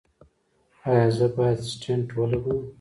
ایا زه باید سټنټ ولګوم؟